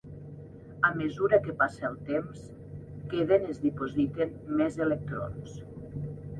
A mesura que passa el temps, queden es dipositen més electrons.